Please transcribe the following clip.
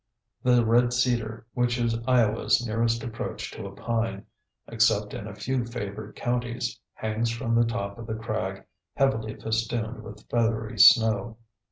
The red cedar, which is Iowa's nearest approach to a pine, except in a few favored counties, hangs from the top of the crag heavily festooned with feathery snow.